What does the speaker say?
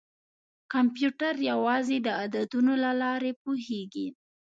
کمپیوټر یوازې د عددونو له لارې پوهېږي.